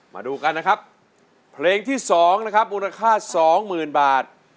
มาดูกันนะครับเพลงที่๒นะครับมูลค่าสองหมื่นบาท